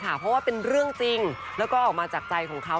เพราะว่าเป็นเรื่องจริงแล้วก็ออกมาจากใจของเขา